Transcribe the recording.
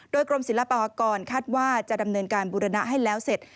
โดยกรมศิลปากรคาดว่าจะดำเนินการบุรณะให้แล้วเสร็จ